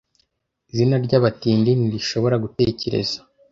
Izina ryabatindi ntirishobora gutekereza